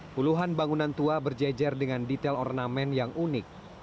puluhan bangunan tua berjejer dengan detail ornamen yang unik